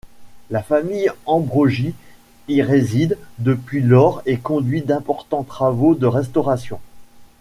La famille Ambrogi y réside depuis lors et conduit d’importants travaux de restauration.